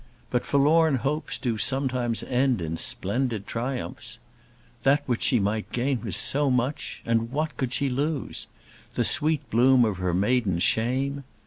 But forlorn hopes do sometimes end in splendid triumphs. That which she might gain was so much! And what could she lose? The sweet bloom of her maiden shame?